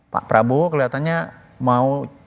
pak prabowo kelihatannya mau